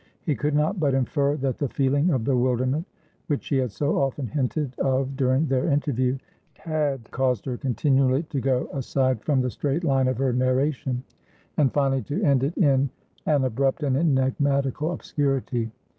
He could not but infer that the feeling of bewilderment, which she had so often hinted of during their interview, had caused her continually to go aside from the straight line of her narration; and finally to end it in an abrupt and enigmatical obscurity.